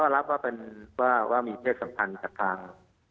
รับว่ามีเชฟสำคัญขัดทาง